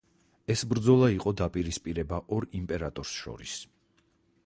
ეს ბრძოლა იყო ბოლო დაპირისპირება ორ იმპერატორს შორის.